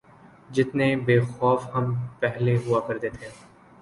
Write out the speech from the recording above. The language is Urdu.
جتنے بے خوف ہم پہلے ہوا کرتے تھے۔